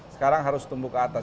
sekarang harus tumbuh ke atas